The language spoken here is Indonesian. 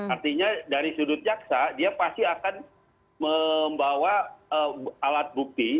artinya dari sudut jaksa dia pasti akan membawa alat bukti